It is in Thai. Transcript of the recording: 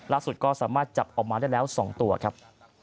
ล่าสุดก็สามารถจับออกมาได้แล้ว๒ตัวครับ